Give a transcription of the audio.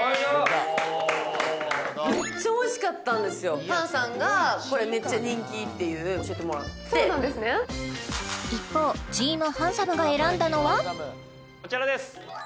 めっちゃおいしかったんですよ菅さんがこれめっちゃ人気っていう教えてもらって一方チーム・ハンサム！が選んだのはこちらです